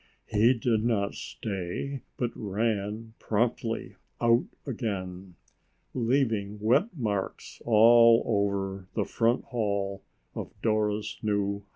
He did not stay, but ran promptly out again, leaving wet marks all over the front hall of Dora's new house.